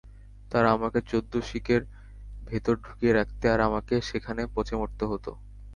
তারা আমাকে চৌদ্দশিকের ভেতর ঢুকিয়ে রাখত আর আমাকে সেখানে পঁচে মরতে হতো।